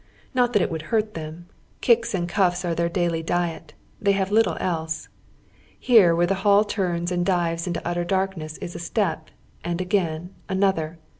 Kot that it would hurt them ; kicks and enffs are their daily diet. They have lit tle else. Here where the hall turns and dives into utter darkness is a step, and anothei', anotlier.